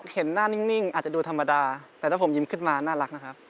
เห็นหน้านิ่งอาจจะดูธรรมดาแต่ถ้าผมยิ้มขึ้นมาน่ารักนะครับ